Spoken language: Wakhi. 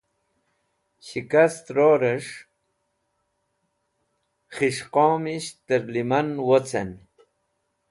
shikast ror'esh khis̃hqomisht tẽr liman vocen